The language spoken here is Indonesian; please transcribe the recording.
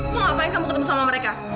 mau ngapain kamu ketemu sama mereka